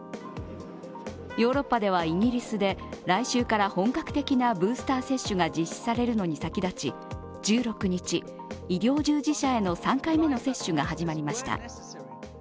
ヨーロッパではイギリスで来週から本格的なブースター接種が実施されるのに先立ち１６日、医療従事者への３回目の接種が始まりました。